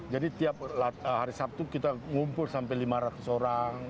tiap hari sabtu kita ngumpul sampai lima ratus orang